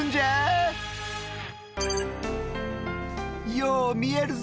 よう見えるぞ。